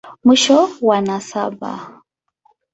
Mwisho wa nasaba.